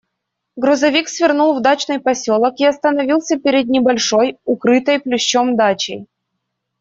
Грузовик свернул в дачный поселок и остановился перед небольшой, укрытой плющом дачей.